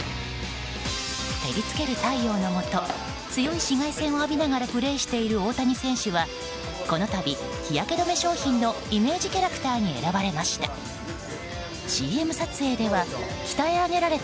照りつける太陽のもと強い紫外線を浴びながらプレーしている大谷選手はこの度、日焼け止め商品のイメージキャラクターに選ばれました。